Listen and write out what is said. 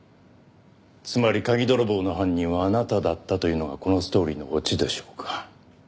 つまり鍵泥棒の犯人はあなただったというのがこのストーリーのオチでしょうか？